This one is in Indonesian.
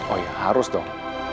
oh iya harus dong